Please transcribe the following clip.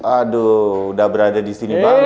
aduh udah berada disini banget